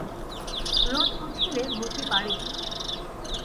রোদ উঠিলে মতি বাড়ি গেল।